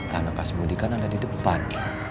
tanah kas mudih kan ada di depan